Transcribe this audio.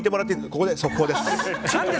ここで速報です。